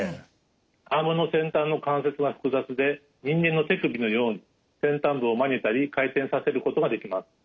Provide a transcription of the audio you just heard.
アームの先端の関節は複雑で人間の手首のように先端部を曲げたり回転させることができます。